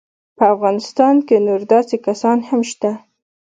په افغانستان کې نور داسې کسان هم شته.